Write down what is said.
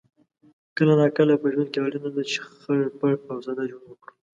کله ناکله په ژوند کې اړینه ده چې خړ پړ او ساده ژوند وکړو